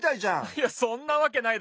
いやそんなわけないだろ。